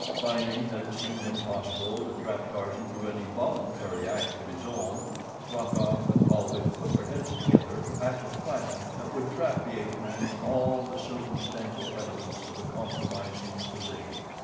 Finding that it seemed impossible to trap Tarzan through any voluntary act of his own, Rokoff and Paulvitch put their heads together to hatch a plan that would trap the ape man in all the circumstantial evidence of a compromising position.